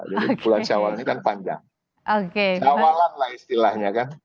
jadi bulan syawal ini kan panjang syawalan lah istilahnya kan